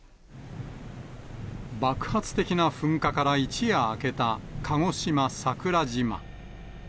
爆発的な噴火から一夜明けた、鹿児島・桜島。